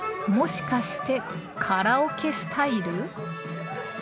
もしかしてカラオケスタイル？